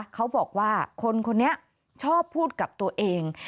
เขาบอกว่าคนคนนี้ชอบพูดกับตัวเอง